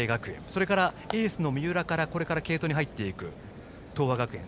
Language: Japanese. それから、エースの三浦からこれから継投に入っていく東亜学園。